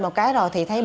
lúc gặp lại gia đình mình